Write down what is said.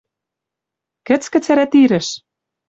Кӹцкӹ цӓрӓ тирыш!»